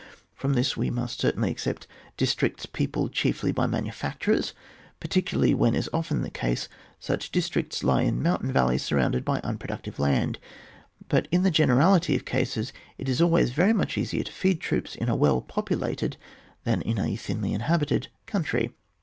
From this we must certainly except dis tricts peopled chiefly by manufeicturers, partictdarly when, as is often the case, such districts lie in mountain valleys surrounded by unproductive land; but in the generality of cases it is always very much easier to feed troops in a well popu lated than in a thinly inhabited country.